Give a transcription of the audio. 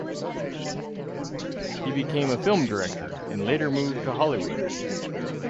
He became a film director and later moved to Hollywood.